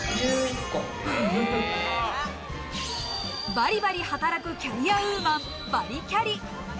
バリバリ働くキャリアウーマン、バリキャリ。